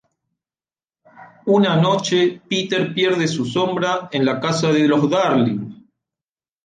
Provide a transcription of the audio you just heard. Una noche Peter pierde su sombra en la casa de los Darling.